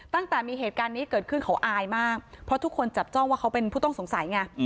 ตั้งแต่มีเหตุการณ์นี้เกิดขึ้นเขาอายมากเพราะทุกคนจับจ้องว่าเขาเป็นผู้ต้องสงสัยไง